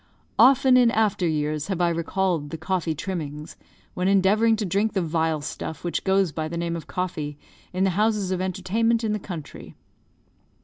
Often in after years have I recalled the coffee trimmings, when endeavouring to drink the vile stuff which goes by the name of coffee in the houses of entertainment in the country.